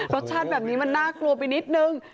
รสชาติแบบนี้มันน่ากลัวไปนิดนึง